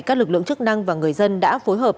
các lực lượng chức năng và người dân đã phối hợp